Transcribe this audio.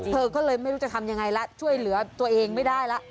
เธอก็เลยไม่รู้จะทำยังไงแล้วช่วยเหลือตัวเองไม่ได้แล้ว